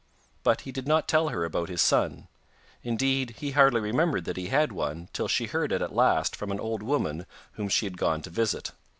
But he did not tell her about his son; indeed he hardly remembered that he had one till she heard it at last from an old woman whom she had gone to visit.